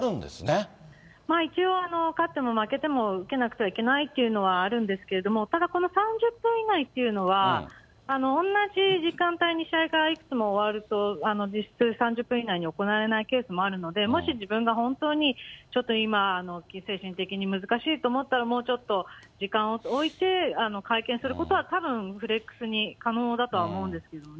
一応、勝っても負けても受けなくてはいけないっていうのはあるんですけれども、ただこの３０分以内っていうのは、同じ時間帯に試合がいくつも終わると、実質３０分以内に行われないケースもあるので、もし自分が本当に、ちょっと今、精神的に難しいと思ったらもうちょっと時間を置いて会見することは、たぶんフレックスに可能だと思うんですけどね。